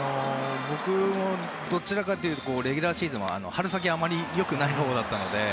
僕もどちらかというとレギュラーシーズンは春先、あまりよくないほうだったので。